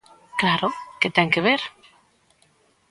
¡Claro que ten que ver!